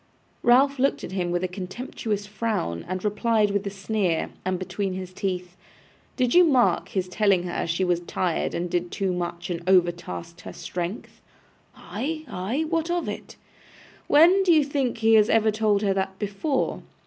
Ralph looked at him with a contemptuous frown, and replied with a sneer, and between his teeth: 'Did you mark his telling her she was tired and did too much, and overtasked her strength?' 'Ay, ay. What of it?' 'When do you think he ever told her that before?